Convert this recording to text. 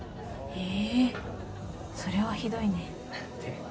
ええそれはひどいね。って